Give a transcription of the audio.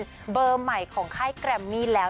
แต่เบอร์ใหม่ของแคร่มมี่แล้ว